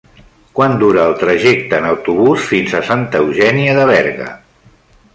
Quant dura el trajecte en autobús fins a Santa Eugènia de Berga?